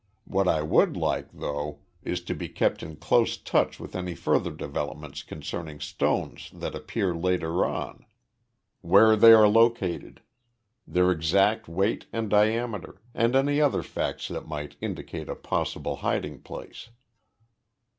What I would like, though, is to be kept in close touch with any further developments concerning stones that appear later on where they are located their exact weight and diameter, and any other facts that might indicate a possible hiding place."